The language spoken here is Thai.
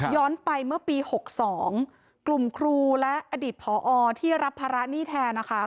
ไปเมื่อปี๖๒กลุ่มครูและอดีตผอที่รับภาระหนี้แทนนะคะ